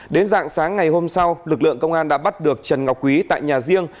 đến dạng sáng ngày hôm sau lực lượng công an đã bắt được trần ngọc quý tại nhà riêng